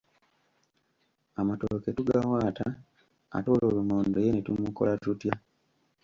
Amatooke tugawaata ate olwo lumonde ye ne tumukola tutya?